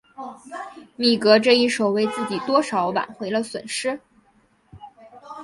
米格这一手为自己多少挽回了损失。